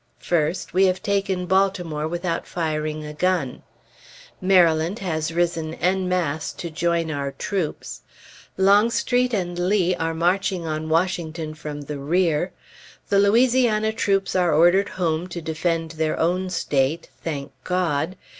First, we have taken Baltimore without firing a gun; Maryland has risen en masse to join our troops; Longstreet and Lee are marching on Washington from the rear; the Louisiana troops are ordered home to defend their own State thank God!